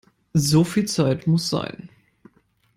So viel Zeit muss sein!